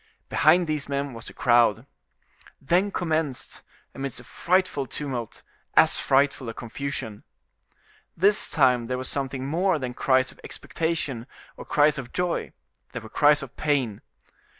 Behind these men was the crowd. Then commenced, amidst a frightful tumult, as frightful a confusion. This time there was something more than cries of expectation or cries of joy, there were cries of pain.